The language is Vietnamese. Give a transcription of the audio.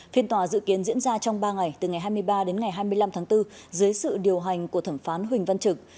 phiên tòa dự kiến diễn ra trong ba ngày từ ngày hai mươi ba đến ngày hai mươi năm tháng bốn dưới sự điều hành của thẩm phán huỳnh văn trực